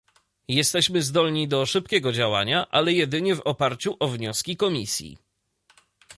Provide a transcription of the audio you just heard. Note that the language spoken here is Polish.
Jesteśmy zdolni do szybkiego działania, ale jedynie w oparciu o wnioski Komisji